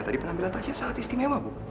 tadi penampilan tasyah sangat istimewa bu